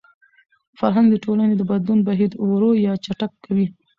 فرهنګ د ټولني د بدلون بهیر ورو يا چټک کوي.